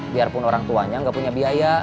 biarpun orang tuanya nggak punya biaya